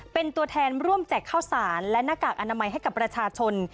เป็นตัวแทนร่วมแจกข้าวสารและหน้ากากอนามัยให้กับประชาชน